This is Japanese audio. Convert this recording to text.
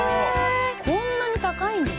こんなに高いんですねじゃあ。